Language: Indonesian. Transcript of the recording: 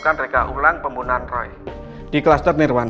banyak lagi yang terluka di di tugas setting ini